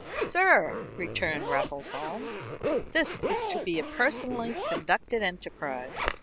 "Sir," returned Raffles Holmes, "this is to be a personally conducted enterprise.